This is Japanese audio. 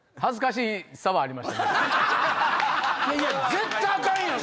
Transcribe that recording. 絶対アカンやん！